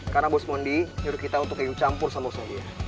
karena bos mondi nyuruh kita untuk ikut campur sama urusan dia